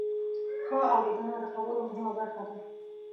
ښه اورېدنه د خبرو مهمه برخه ده.